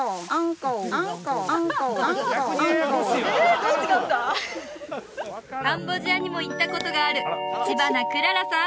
カンボジアにも行ったことがある知花くららさん